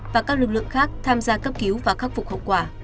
và các lực lượng khác tham gia cấp cứu và khắc phục hậu quả